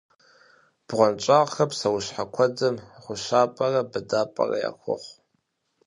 БгъуэнщӀагъхэр псэущхьэ куэдым гъущапӀэрэ быдапӀэрэ яхуохъу.